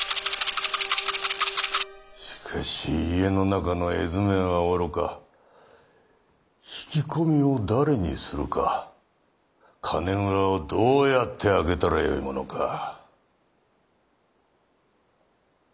しかし家の中の絵図面はおろか引き込みを誰にするか金蔵をどうやって開けたらよいものか。